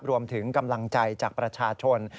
รวมถึงกำลังใจจากประชาชน